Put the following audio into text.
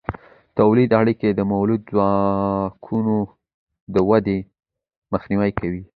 تولیدي اړیکې د مؤلده ځواکونو د ودې مخنیوی کوي.